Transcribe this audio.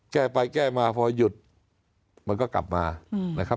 แก้ไปแก้มาพอหยุดมันก็กลับมา